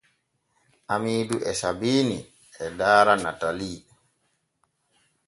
Haamiidu e Sabiini e daara Natalii.